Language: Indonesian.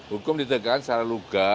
hukum ditegakkan secara luka